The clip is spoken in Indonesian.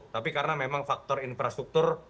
tapi karena memang faktor infrastruktur